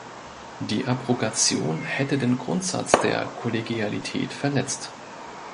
Eine Abrogation hätte den Grundsatz der Kollegialität verletzt.